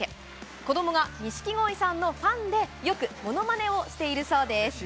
子どもが錦鯉さんのファンで、よくものまねをしているそうです。